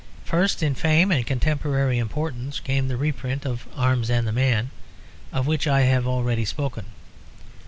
First in fame and contemporary importance came the reprint of Arms and the Man, of which I have already spoken.